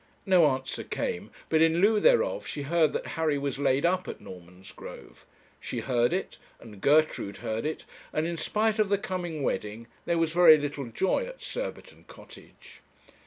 No answer came, but in lieu thereof she heard that Harry was laid up at Normansgrove. She heard it, and Gertrude heard it, and in spite of the coming wedding there was very little joy at Surbiton Cottage.